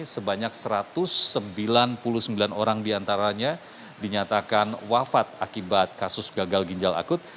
sebanyak satu ratus sembilan puluh sembilan orang diantaranya dinyatakan wafat akibat kasus gagal ginjal akut